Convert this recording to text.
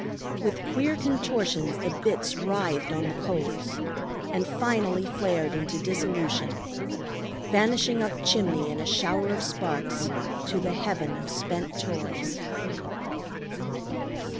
With queer contortions the bits writhed on the coals, and finally flared into dissolution, vanishing up chimney in a shower of sparks to the heaven of spent toys.